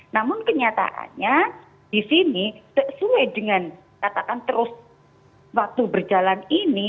namun kenyataannya di sini sesuai dengan katakan terus waktu berjalan ini